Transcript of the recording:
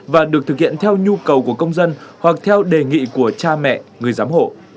và được thực hiện theo nhu cầu của công dân hoặc theo đề nghị của cha mẹ người giám hộ